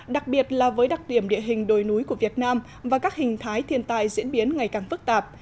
đặc biệt là với đặc điểm địa hình đồi núi của việt nam và các hình thái thiên tài diễn biến ngày càng phức tạp